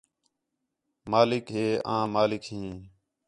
مالک ہے آں مالک ہیں